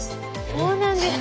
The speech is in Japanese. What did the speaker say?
そうなんですよ